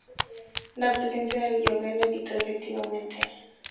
La presencia del "Goeben" lo evitó efectivamente.